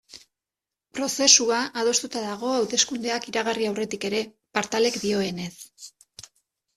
Prozesua adostuta dago hauteskundeak iragarri aurretik ere, Partalek dioenez.